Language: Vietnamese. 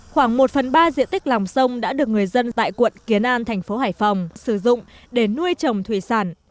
khoảng một phần ba diện tích lòng sông đã được người dân tại quận kiến an thành phố hải phòng sử dụng để nuôi trồng thủy sản